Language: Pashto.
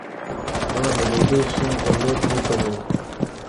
هغه د لويديځو سيمو پر لور وخوځېد.